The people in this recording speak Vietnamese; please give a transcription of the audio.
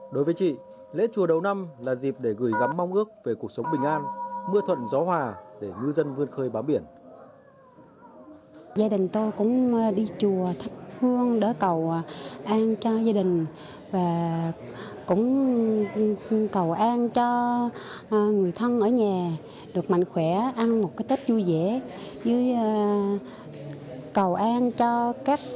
đối với chị lễ chùa đầu xuân là nét văn hóa của người việt